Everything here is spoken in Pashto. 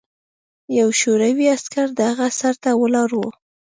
یو شوروي عسکر د هغه سر ته ولاړ و